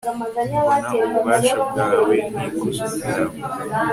mbona ububasha bwawe n'ikuzo ryawe